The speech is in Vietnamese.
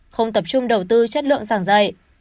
không tập trung đầu tư chất lượng giảng dạy